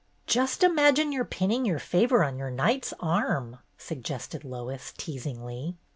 "Just imagine you 're pinning your favor on your knight's arm," suggested Lois, teas ingly.